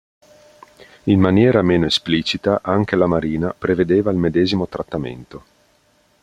In maniera meno esplicita anche la marina prevedeva il medesimo trattamento.